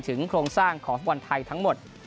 โครงสร้างของฟุตบอลไทยทั้งหมด